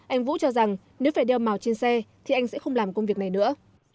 anh vũ cho rằng nếu phải đeo màu trên xe thì anh sẽ không làm công việc này nữa